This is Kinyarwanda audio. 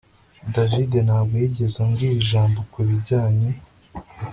David ntabwo yigeze ambwira ijambo kubijyanye